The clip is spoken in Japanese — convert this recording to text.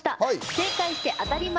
「正解して当たり前！